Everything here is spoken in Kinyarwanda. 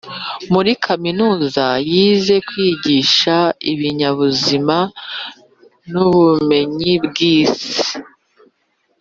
muri kaminuza, yize kwigisha ibinyabuzima n’ubumenyi bw’isi,